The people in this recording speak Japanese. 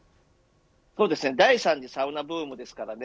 そうですね第３次サウナブームですからね。